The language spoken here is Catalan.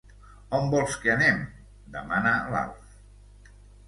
On vols que anem? —demana l'Alf.